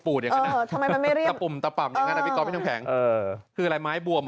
คืออะไรไม้บวมเหรอไม้บวม